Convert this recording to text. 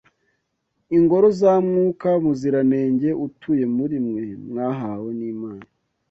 ingoro za Mwuka Muziranenge utuye muri mwe, mwahawe n’Imana?